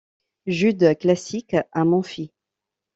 Jude Classic à Memphis.